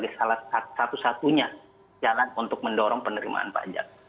ini salah satu satunya jalan untuk mendorong penerimaan pajak